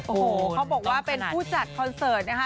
โอ้โหเขาบอกว่าเป็นผู้จัดคอนเสิร์ตนะคะ